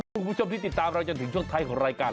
คุณผู้ชมที่ติดตามเราจนถึงช่วงท้ายของรายการ